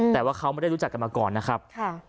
แต่ว่าเขาไม่ได้รู้จักกันมาก่อนนะครับ